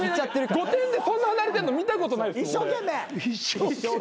『御殿』でそんな離れてんの見たことないですもん俺。